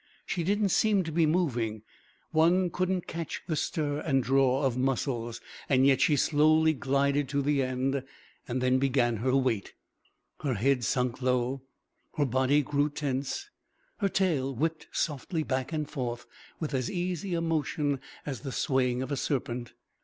She didn't seem to be moving. One couldn't catch the stir and draw of muscles. And yet she slowly glided to the end; then began her wait. Her head sunk low, her body grew tense, her tail whipped softly back and forth, with as easy a motion as the swaying of a serpent.